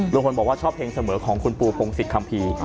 บอกว่าชอบเพลงเสมอของคุณปูพงศิษยคัมภีร์